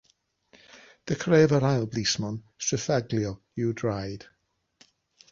Dechreuodd yr ail blismon stryffaglio i'w draed.